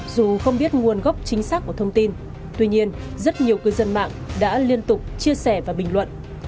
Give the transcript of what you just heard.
dù không biết nguồn gốc chính xác của thông tin tuy nhiên rất nhiều cư dân mạng đã liên tục chia sẻ và bình luận